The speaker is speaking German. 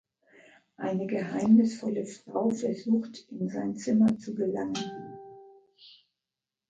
Eine geheimnisvolle Frau versucht, in sein Zimmer zu gelangen.